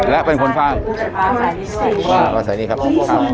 และเป็นคนฟ่าง